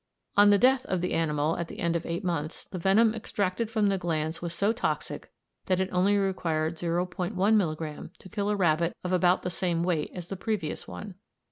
On the death of the animal, at the end of eight months, the venom extracted from the glands was so toxic that it only required 0·1 milligramme to kill a rabbit of about the same weight as the previous one.